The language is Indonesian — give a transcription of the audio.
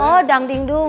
oh dang ding dung